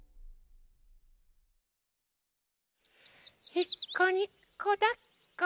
「いっこにこだっこ」